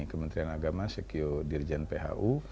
kementerian agama sekio dirjen phu